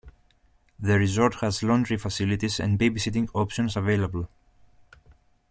The resort has laundry facilities and babysitting options available.